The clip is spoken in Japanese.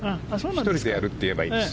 １人でやるって言えばいいんです。